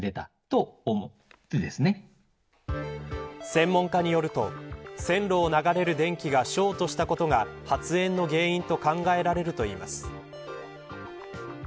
専門家によると線路を流れる電気がショートしたことが発煙の原因と考えられるといいます。